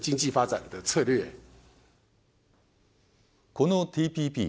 このＴＰＰ。